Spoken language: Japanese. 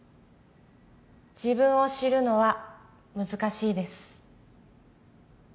自分を知るのは難しいです